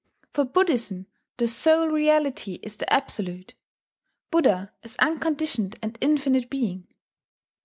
For Buddhism the sole reality is the Absolute, Buddha as unconditioned and Infinite Being.